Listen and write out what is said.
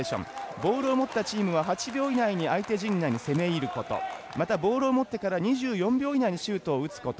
ボールを持ったチームは８秒以内に相手陣内に攻め入ることまたボールを持ってから２４秒以内にシュートを打つこと。